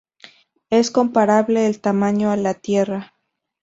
Es comparable en tamaño a la Tierra.